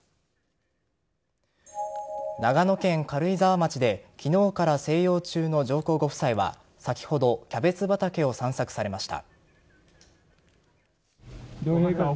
長野県軽井沢町で昨日から静養中の上皇ご夫妻は先ほどキャベツ畑を散策されました。